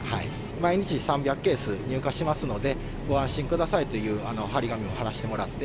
毎日３００ケース入荷しますので、ご安心くださいっていう貼り紙を貼らしてもらって。